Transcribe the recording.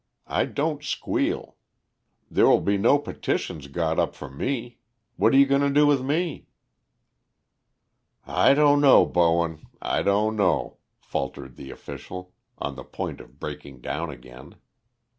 I don't squeal. There will be no petitions got up for me. What are you going to do with me?" "I don't know, Bowen, I don't know," faltered the official, on the point of breaking down again.